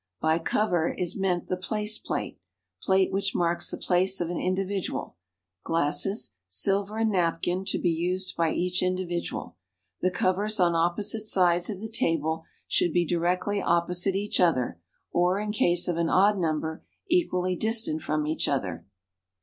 By "cover" is meant the i)lace plate (i)late which marks the ])lace of an indi^"idual), glasses, sib'cr and napkin to be use<i by each individual. The co^'ers on o])posite sides of the table should be directly op[)osite each other, or, in case of an odd nuni lier, e(pially distant from each other.